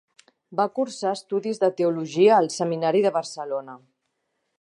Va cursar estudis de teologia al Seminari de Barcelona.